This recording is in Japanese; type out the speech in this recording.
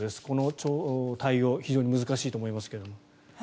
この対応、非常に難しいと思いますけども。